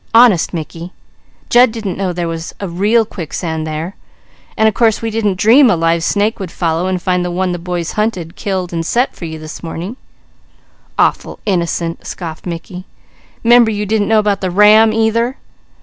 Honest Mickey, Jud didn't know there was a real quicksand there, and of course we didn't dream a live snake would follow and find the one the boys hunted, killed, and set for you this morning " "Awful innocent!" scoffed Mickey. "'Member you didn't know about the ram either?"